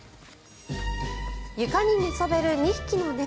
床に寝そべる２匹の猫。